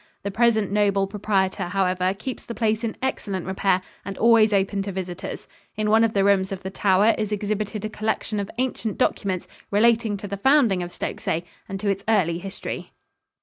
The present noble proprietor, however, keeps the place in excellent repair and always open to visitors. In one of the rooms of the tower, is exhibited a collection of ancient documents relating to the founding of Stokesay and to its early history.